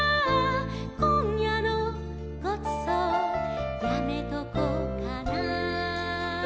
「今夜のごちそうやめとこうかな」